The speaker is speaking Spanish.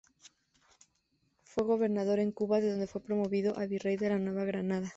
Fue Gobernador de Cuba de donde fue promovido a Virrey de la Nueva Granada.